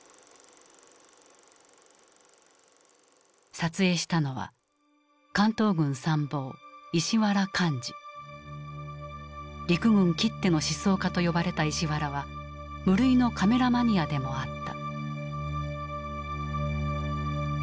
撮影したのは陸軍きっての思想家と呼ばれた石原は無類のカメラマニアでもあった。